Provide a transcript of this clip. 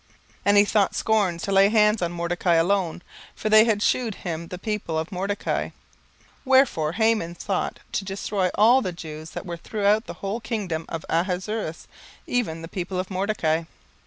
17:003:006 And he thought scorn to lay hands on Mordecai alone; for they had shewed him the people of Mordecai: wherefore Haman sought to destroy all the Jews that were throughout the whole kingdom of Ahasuerus, even the people of Mordecai.